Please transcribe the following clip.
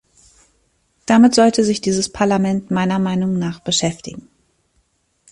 Damit sollte sich dieses Parlament meiner Meinung nach beschäftigen.